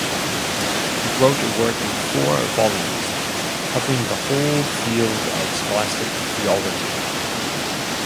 He wrote a work in four volumes, covering the whole field of scholastic theology.